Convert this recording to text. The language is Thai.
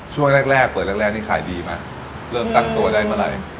ช่วงแรกแรกเปิดแรกแรกนี่ขายดีไหมเริ่มตั้งตัวได้เมื่อไหร่